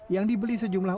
yang dibeli sejumlah